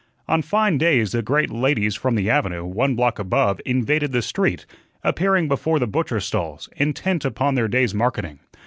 On fine days the great ladies from the avenue, one block above, invaded the street, appearing before the butcher stalls, intent upon their day's marketing.